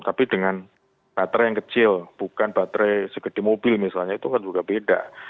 tapi dengan baterai yang kecil bukan baterai seperti mobil misalnya itu kan juga beda